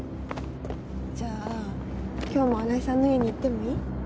じゃあ今日も荒井さんの家に行ってもいい？